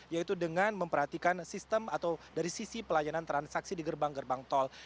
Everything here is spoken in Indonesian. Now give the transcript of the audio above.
yaitu dengan memperhatikan sistem atau dari sisi pelayanan transaksi di gerbang gerbang tol